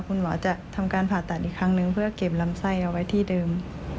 คุณหมอจะทำการผ่าตัดอีกครั้งหนึ่งเพื่อเก็บลำไส้เอาไว้ที่เดิม